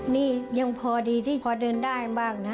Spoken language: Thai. นี่ยังพอดีที่พอเดินได้บ้างนะ